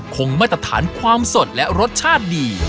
คงมาตรฐานความสดและรสชาติดี